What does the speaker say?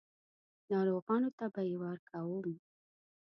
ناروغانو ته به یې ورکوم.